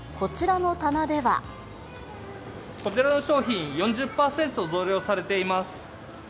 こちらの商品、４０％増量されています。